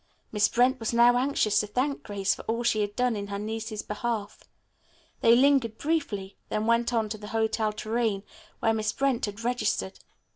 Miss Brent was now anxious to thank Grace for all she had done in her niece's behalf. They lingered briefly, then went on to the Hotel Tourraine, where Miss Brent had registered.